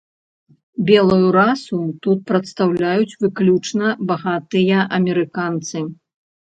Белую расу тут прадстаўляюць выключна багатыя амерыканцы.